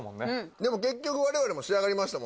でも結局我々も仕上がりましたもんね。